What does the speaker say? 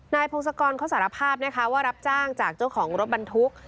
พงศกรเขาสารภาพนะคะว่ารับจ้างจากเจ้าของรถบรรทุก